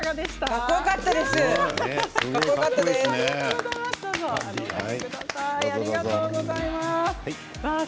かっこよかったです。